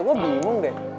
gue bingung deh